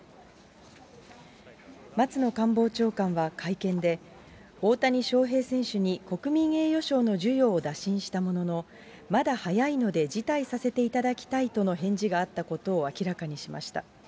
松野官房長官は会見で、大谷翔平選手に国民栄誉賞の授与を打診したものの、まだ早いので辞退させていただきたいとの返事があったことを明らかにしました。